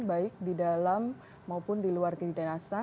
baik di dalam maupun di luar kinerja